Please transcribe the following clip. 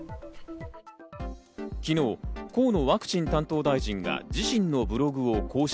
昨日、河野ワクチン担当大臣が自身のブログを更新。